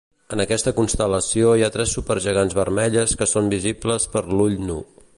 En aquesta constel·lació hi ha tres supergegants vermelles que són visibles per l'ull nu.